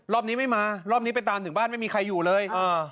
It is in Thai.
รอบนี้ไม่มารอบนี้ไปตามถึงบ้านไม่มีใครอยู่เลย